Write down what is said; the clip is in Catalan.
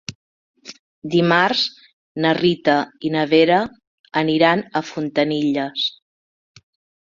Dimarts na Rita i na Vera aniran a Fontanilles.